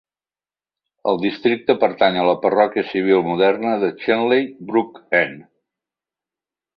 El districte pertany a la parròquia civil moderna de Shenley Brook End.